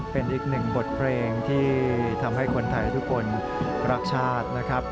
เป็นอีกหนึ่งบทเพลงที่ทำให้คนไทยทุกคนรักชาตินะครับ